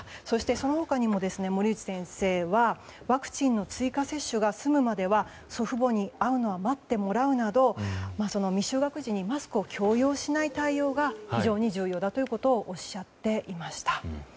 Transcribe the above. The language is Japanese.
そして、その他にも森内先生はワクチンの追加接種が済むまでは祖父母に会うのは待ってもらうなど未就学児にマスクを強要しない対応が非常に重要だとおっしゃっていました。